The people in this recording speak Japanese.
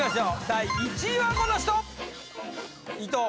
第１位はこの人。